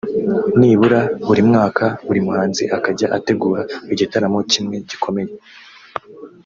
nibura buri mwaka buri muhanzi akajya ategura igitaramo kimwe gikomeye